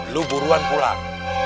lo buruan pulang